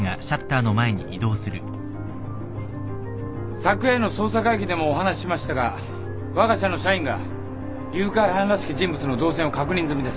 昨夜の捜査会議でもお話ししましたがわが社の社員が誘拐犯らしき人物の動線を確認済みです。